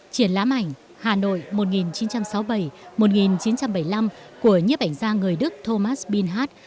triển lãm ảnh hà nội một nghìn chín trăm sáu mươi bảy một nghìn chín trăm bảy mươi năm của nhiếp ảnh gia người đức thomas billhart